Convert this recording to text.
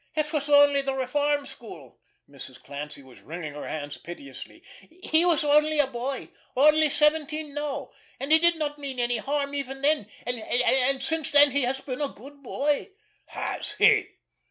"It was only the reform school." Mrs. Clancy was wringing her hands piteously. "He is only a boy—only seventeen now. And he did not mean any harm even then—and—and since then he has been a good boy." "Has he?"